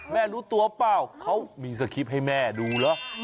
แม่รู้ตัวหรือเปล่าเค้ามีสกิพให้แม่ดูเหรอ